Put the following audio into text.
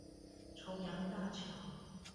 重陽大橋